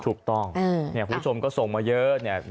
ถูกต้องเนี่ยคุณผู้ชมก็ส่งมาเยอะเนี่ย